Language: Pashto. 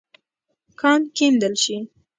کان کیندل شې.